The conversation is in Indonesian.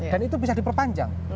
dan itu bisa diperpanjang